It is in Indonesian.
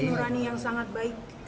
nurani yang sangat baik